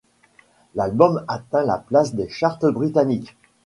L'album atteint la place des charts britanniques.